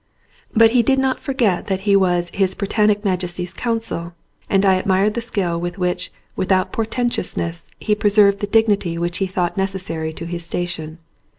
But he did not forget that he was His Britannic Majesty's Consul and I admired the skill with which without portentousness he preserved the dig nity which 'he thought necessary to his station.